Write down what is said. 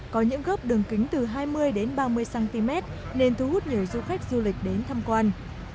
có những gốc đường kính từ hai mươi đến ba mươi cm nên thu hút nhiều du khách du lịch đến thăm quan